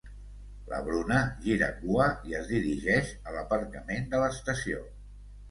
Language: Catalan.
La Bruna gira cua i es dirigeix a l'aparcament de l'estació.